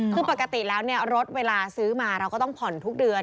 คือปกติแล้วรถเวลาซื้อมาเราก็ต้องผ่อนทุกเดือน